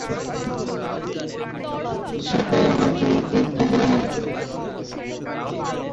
সেটাই আমার জন্য গুরুত্বপূর্ণ।